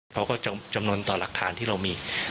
จำนวนต่อหลักฐานที่เรามี